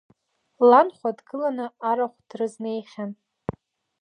Ланхәа дгыланы арахә дрызнеихьан.